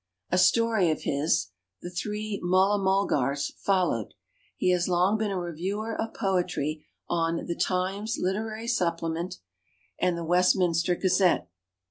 A story of his, "The Three Mulla Mulgars", followed. He has long been a reviewer of poetry on "The Times Literary Supplement" and "The West minster Gazette".